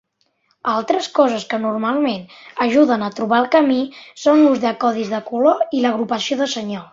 Altres coses que normalment ajuden a trobar el camí són l'ús de codis de color i l'agrupació de senyals.